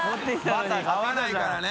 バターに合わないからね。